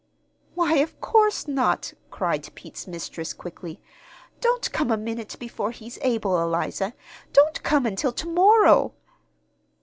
"Why, of course not," cried Pete's mistress, quickly. "Don't come a minute before he's able, Eliza. Don't come until to morrow."